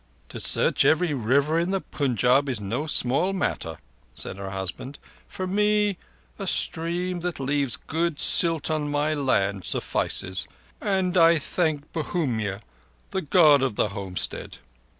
"To search every river in the Punjab is no small matter," said her husband. "For me, a stream that leaves good silt on my land suffices, and I thank Bhumia, the God of the Home stead."